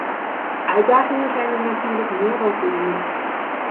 Uitdagingen zijn er natuurlijk meer dan voldoende.